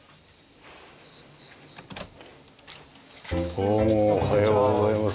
どうもおはようございます。